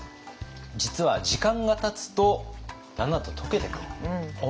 実は時間がたつとだんだんと溶けてくる。